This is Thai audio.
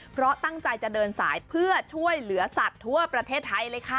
เพราะตั้งใจจะเดินสายเพื่อช่วยเหลือสัตว์ทั่วประเทศไทยเลยค่ะ